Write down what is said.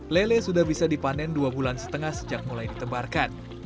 lele sudah bisa dipanen dua bulan setengah sejak mulai ditebarkan